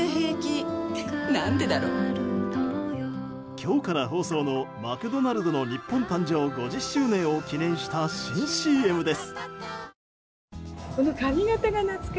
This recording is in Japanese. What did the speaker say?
今日から放送のマクドナルドの日本誕生５０年を記念した新ＣＭです。